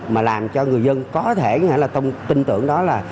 mà làm cho người dân có thể là tin tưởng đó là